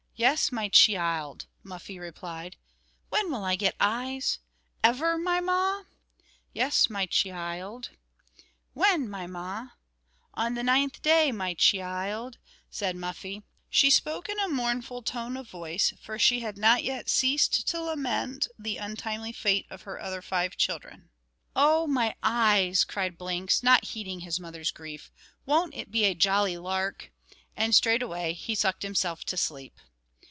"Yes, my chee ild," Muffie replied. "When will I get eyes? Ever, my Ma?" "Yes, my chee ild." "When, my Ma?" "On the ninth day, my chee ild," said Muffie. She spoke in a mournful tone of voice, for she had not yet ceased to lament the untimely fate of her other five children. "Oh my eyes!" cried Blinks, not heeding his mother's grief, "won't it be a jolly lark!" and straightway he sucked himself to sleep.